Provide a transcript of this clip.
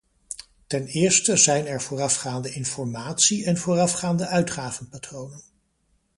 Ten eerste zijn er voorafgaande informatie- en voorafgaande uitgavenpatronen.